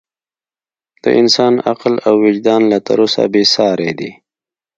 د انسان عقل او وجدان لا تر اوسه بې ساري دی.